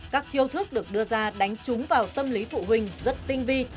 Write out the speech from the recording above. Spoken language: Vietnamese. các chiêu thức được đưa ra đánh trúng vào tâm lý phụ huynh rất tinh vi